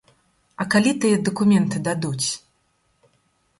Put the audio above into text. А калі тыя дакументы дадуць?